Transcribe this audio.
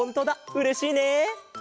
うれしいね。